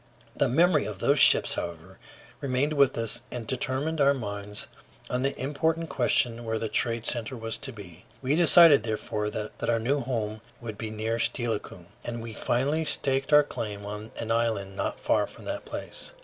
The memory of those ships, however, remained with us and determined our minds on the important question where the trade center was to be. We decided therefore that our new home should be near Steilacoom, and we finally staked out a claim on an island not far from that place.